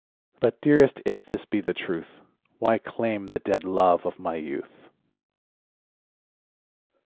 . But dearest, if this be the truth, Why claim the dead love of my youth?